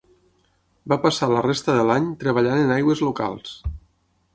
Va passar la resta de l'any treballant en aigües locals.